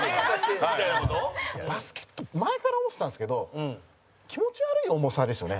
バスケット前から思ってたんですけど気持ち悪い重さですよね。